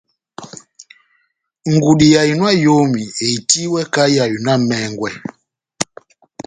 Ngudi ya ehinɔ ya eyomi ehitiwɛ kahá yá ehinɔ yá emɛngwɛ